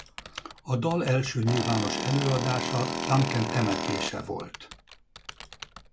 A dal első nyilvános előadása Duncan temetése volt.